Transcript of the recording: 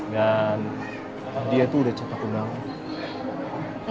dan dia tuh udah catat kunangan